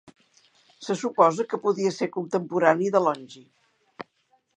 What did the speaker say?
Se suposa que podia ser contemporani de Longí.